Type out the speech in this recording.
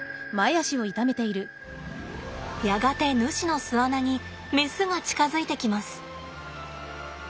やがてヌシの巣穴にメスが近づいてきます。